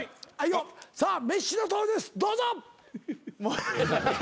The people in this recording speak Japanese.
さあメッシの登場ですどうぞ！